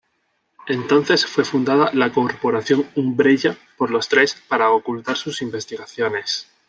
Entonces fue fundada la Corporación Umbrella por los tres para ocultar sus investigaciones.